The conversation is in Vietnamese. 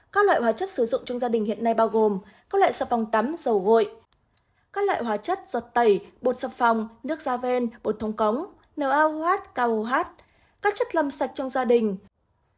các loại hóa chất sử dụng trong gia đình hiện nay bao gồm các loại sập phòng tắm dầu gội các loại hóa chất giọt tẩy bột sập phòng nước da ven bột thống cống nờ ao hát cao hô hát các chất làm sạch trong gia đình